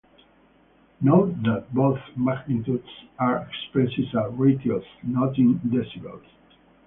Note that both magnitudes are expressed as ratios, not in decibels.